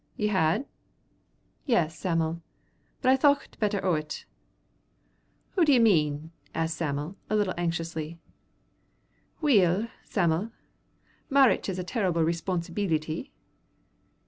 "Ye had?" "Yes, Sam'l; but I thocht better o't." "Hoo d'ye mean?" asked Sam'l, a little anxiously. "Weel, Sam'l, mairitch is a terrible responsibeelity."